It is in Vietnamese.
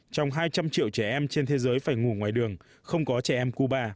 trong hai trăm linh triệu trẻ em trên thế giới phải ngủ ngoài đường không có trẻ em cuba